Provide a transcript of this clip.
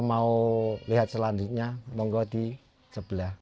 mau lihat selanjutnya mau gue di sebelah